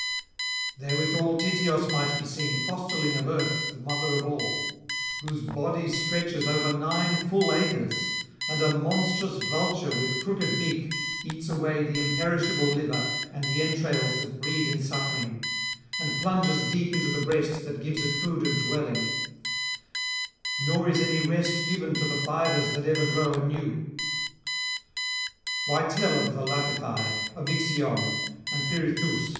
Therewithal Tityos might be seen, fosterling of Earth the mother of all, whose body stretches over nine full acres, and a monstrous vulture with crooked beak eats away the imperishable liver and the entrails that breed in suffering, and plunges deep into the breast that gives it food and dwelling; nor is any rest given to the fibres that ever grow anew. Why tell of the Lapithae, of Ixion and Pirithoüs?